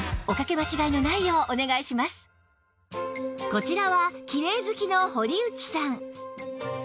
こちらはきれい好きの堀内さん